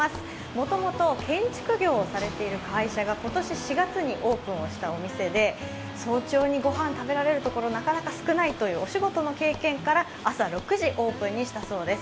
もともと建築業をされている会社が今年４月にオープンをしたお店で、早朝にごはんを食べられるところなかなか少ないというお仕事の経験から朝６時オープンにしたそうです。